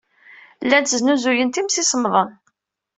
Llant snuzuyent imsisemḍen.